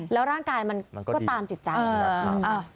แล้วร่างกายมันก็ตามจิตใจ